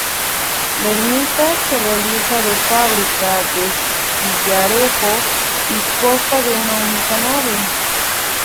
La ermita se realiza de fábrica de sillarejo y consta de una única nave.